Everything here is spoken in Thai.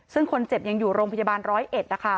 ซึ่งคนเจ็บยังอยู่โรงพยาบาลร้อยเอ็ดนะคะ